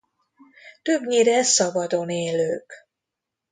Többnyire szabadon élők.